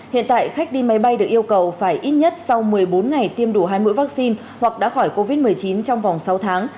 hiện tại khách đi máy bay được yêu cầu phải ít nhất sau một mươi bốn ngày tiêm đủ hai mũi vaccine hoặc đã khỏi covid một mươi chín trong vòng sáu tháng